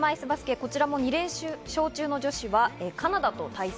こちらも２連勝中の女子はカナダと対戦。